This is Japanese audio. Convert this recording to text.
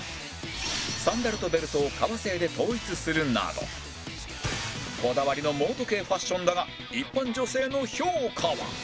サンダルとベルトを革製で統一するなどこだわりのモード系ファッションだが一般女性の評価は？